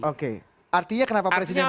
oke artinya kenapa presiden